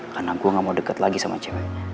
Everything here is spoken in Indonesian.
karena gue gak mau deket lagi sama cewek